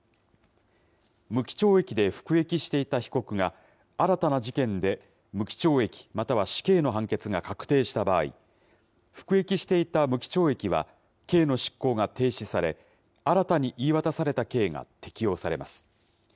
無期懲役で服役していた被告が、新たな事件で無期懲役または死刑の判決が確定した場合、服役していた無期懲役は刑の執行が停止され、新たに言い渡された刑が適用されます。